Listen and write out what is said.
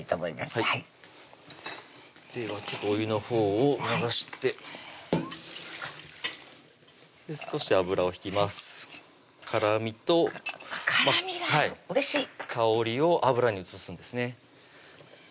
はいではお湯のほうを流して少し油を引きます辛みと辛みがあるうれしい香りを油に移すんですね